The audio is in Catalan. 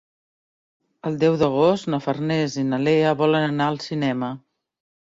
El deu d'agost na Farners i na Lea volen anar al cinema.